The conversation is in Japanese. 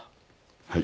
はい。